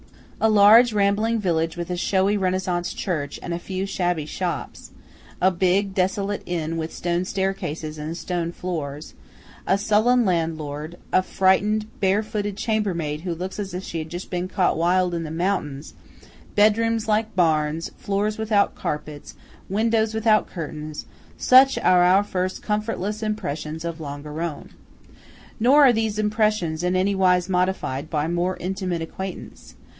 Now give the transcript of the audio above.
A large rambling village with a showy renaissance church and a few shabby shops–a big desolate inn with stone staircases and stone floors–a sullen landlord–a frightened, bare footed chambermaid who looks as if she had just been caught wild in the mountains–bedrooms like barns, floors without carpets, windows without curtains–such are our first comfortless impressions of Longarone. Nor are these impressions in any wise modified by more intimate acquaintance.